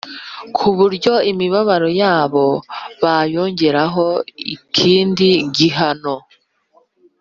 ku buryo imibabaro yabo bayongeraho ikindi gihano,